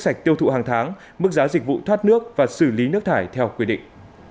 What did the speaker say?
sạch tiêu thụ hàng tháng mức giá dịch vụ thoát nước và xử lý nước thải theo quy định